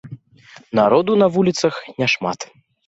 Народу на вуліцах няшмат.